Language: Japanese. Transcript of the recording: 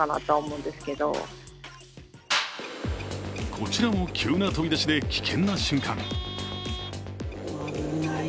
こちらも急な飛び出しで危険な瞬間。